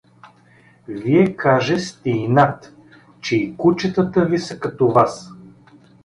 Вие, каже, сте инат, че и кучетата ви са като вас.